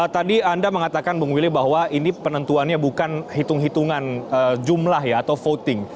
tadi anda mengatakan bung willy bahwa ini penentuannya bukan hitung hitungan jumlah ya atau voting